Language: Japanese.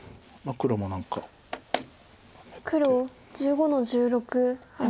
黒１５の十六ハネ。